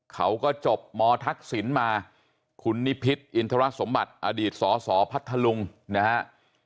เขาก็จบมทักษิณมาคุณนิพิษอินทรสมบัติอดีตสสพัทธลุงนะฮะ